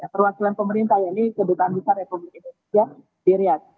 perwakilan pemerintah yang ini sebutan bisa republik indonesia di riyad